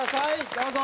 どうぞ！